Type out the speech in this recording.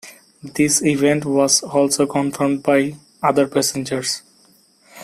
This event was also confirmed by other passengers.